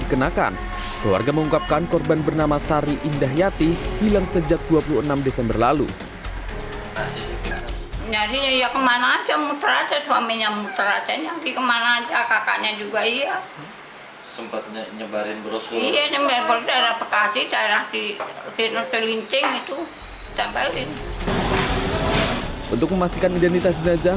untuk memastikan identitas jenazah